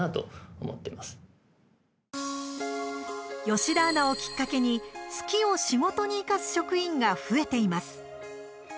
吉田アナをきっかけに好きを仕事に生かす職員が増えています。